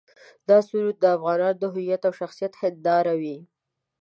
دا سرود د افغانانو د هویت او شخصیت هنداره وي.